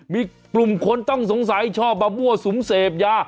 มีกลุ่มคนต้องสงสัยชอบมามั่วสุมเสพยา